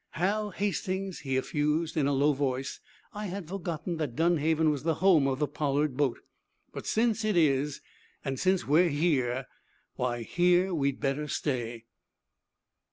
"Hal Hastings," he effused, in a low voice, "I had forgotten that Dunhaven was the home of the Pollard boat. But, since it is, and since we're here why, here we'd better stay."